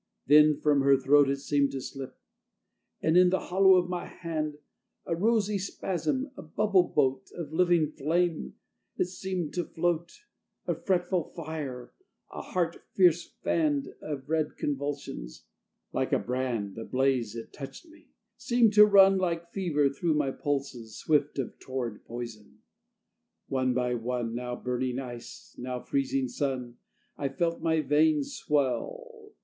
Then from her throat it seemed to slip, And, in the hollow of my hand, A rosy spasm, a bubble boat Of living flame, it seemed to float; A fretful fire; a heart, fierce fanned Of red convulsions. Like a brand, A blaze, it touched me; seemed to run Like fever through my pulses, swift, Of torrid poison. One by one, Now burning ice, now freezing sun, I felt my veins swell.